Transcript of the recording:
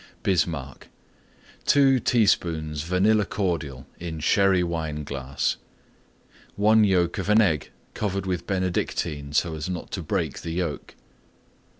BISMARCK 2 teaspoonfuls Vanilla Cordial in Sherry Wine glass. 1 yolk of an Egg covered with Benedictine so as not to break the yolk.